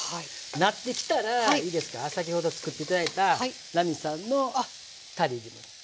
なってきたらいいですか先ほど作って頂いた奈実さんのたれ入れていく。